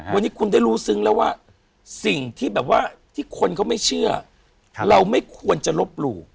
วันนี้คุณได้รู้ซึ้งแล้วว่าสิ่งที่แบบว่าที่คนเขาไม่เชื่อเราไม่ควรจะลบหลู่